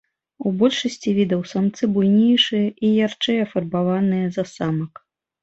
У большасці відаў самцы буйнейшыя і ярчэй афарбаваныя за самак.